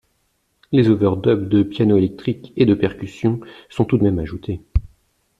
Des overdubs de piano électrique et de percussions sont tout de même ajoutés.